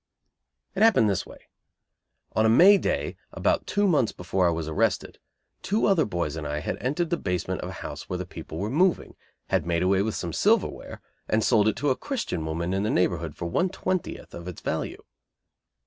It happened this way. On a May day, about two months before I was arrested, two other boys and I had entered the basement of a house where the people were moving, had made away with some silverware, and sold it to a Christian woman in the neighborhood for one twentieth of its value.